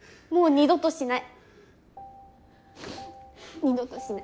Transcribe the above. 二度としない。